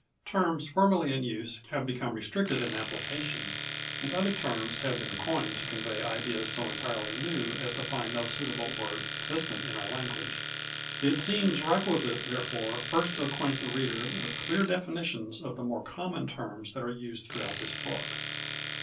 Terms formerly in use have become restricted in application, and other terms have been coined to convey ideas so entirely new as to find no suitable word existent in our language. It seems requisite, therefore, first to acquaint the reader with clear definitions of the more common terms that are used throughout this book.